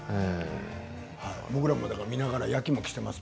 僕も見ながらやきもきしてますよ。